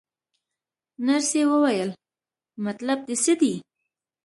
نرسې وویل: مطلب دې څه دی؟